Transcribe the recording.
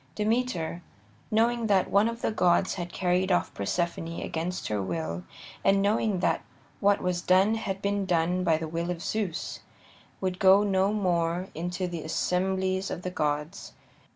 Demeter, knowing that one of the gods had carried off Persephone against her will, and knowing that what was done had been done by the will of Zeus, would go no more into the assemblies of the gods.